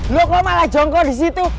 lo kok malah jongko di situ